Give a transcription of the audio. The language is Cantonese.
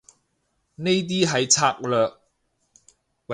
呢啲係策略